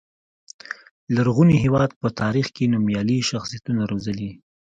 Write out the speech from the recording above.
لرغوني هېواد په تاریخ کې نومیالي شخصیتونه روزلي.